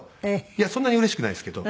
いやそんなにうれしくないんですけど。